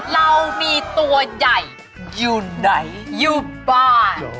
เรามีตัวใหญ่อยู่ไหนอยู่บ้าง